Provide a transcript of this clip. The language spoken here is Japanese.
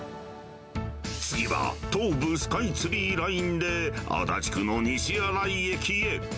次は、東武スカイツリーラインで、足立区の西新井駅へ。